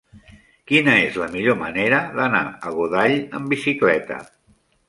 Quina és la millor manera d'anar a Godall amb bicicleta?